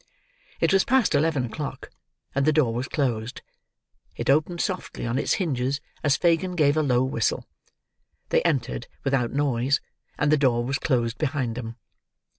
It was past eleven o'clock, and the door was closed. It opened softly on its hinges as Fagin gave a low whistle. They entered, without noise; and the door was closed behind them.